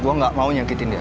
gue gak mau nyakitin dia